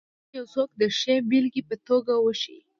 تا غوندې یو څوک د ښې بېلګې په توګه وښیي.